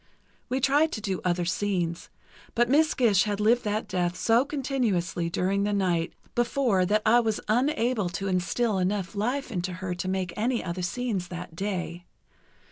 We tried to do other scenes, but Miss Gish had lived that death so continuously during the night before that I was unable to instill enough life into her to make any other scenes that day.